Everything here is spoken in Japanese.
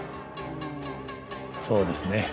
そうですね。